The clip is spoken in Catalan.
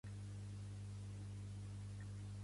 Dia de pregó, dia de rigor.